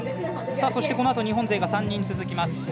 そして、このあと日本勢が３人続きます。